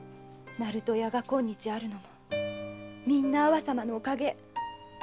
鳴門屋が今日あるのもみんな阿波様のおかげ。